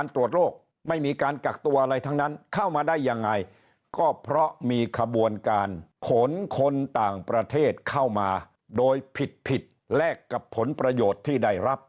ผลคนต่างประเทศเข้ามาโดยผิดแลกกับผลประโยชน์ที่ได้รับ